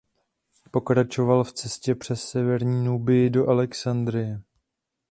Pokračoval v cestě přes severní Núbii do Alexandrie.